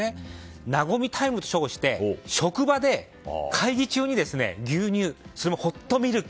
和みタイムと称して職場で会議中に牛乳それもホットミルク